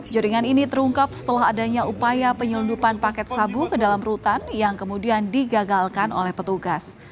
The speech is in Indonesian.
jaringan ini terungkap setelah adanya upaya penyelundupan paket sabu ke dalam rutan yang kemudian digagalkan oleh petugas